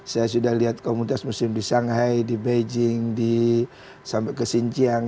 saya sudah lihat komunitas muslim di shanghai di beijing sampai ke xinjiang